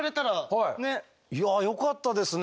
いやよかったですね。